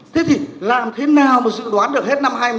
thế thì làm thế nào mà dự đoán được hết năm hai nghìn một mươi chín